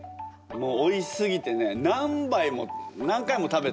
おいしすぎてね何杯も何回も食べて。